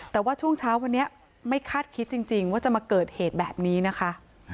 แต่ว่าช่วงเช้าวันนี้ไม่คาดคิดจริงว่าจะมาเกิดเหตุแบบนี้นะคะ